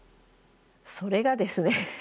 それがですね